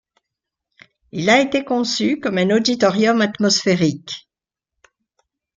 Il a été conçu comme un auditorium atmosphérique.